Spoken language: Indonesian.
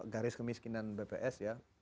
garis kemiskinan bps ya